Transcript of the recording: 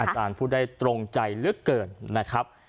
อาจารย์ผู้ได้ตรงใจเลือกเกินนะครับ